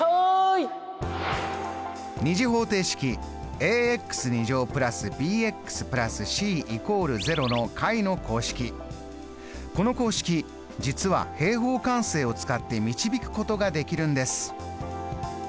２次方程式この公式実は平方完成を使って導くことができるんです。